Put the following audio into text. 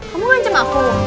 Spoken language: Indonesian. kamu ngancam aku